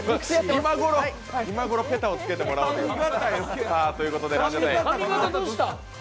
今頃ペタをつけてもらおうということで？